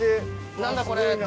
何だこれ！